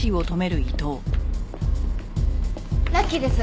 ラッキーです。